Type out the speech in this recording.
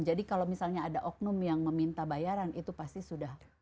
jadi kalau misalnya ada oknum yang meminta bayaran itu pasti sudah